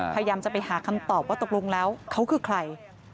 พยายามจะไปหาคำตอบว่าตกลงแล้วเขาคือใคร